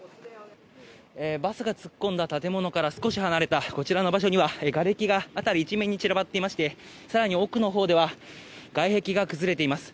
バスが突っ込んだ建物から少し離れた、こちらの場所にはがれきが辺り一面に散らばっていまして更に奥のほうでは外壁が崩れています。